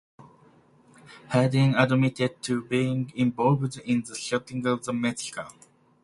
Hardin admitted to being involved in the shooting of the Mexican.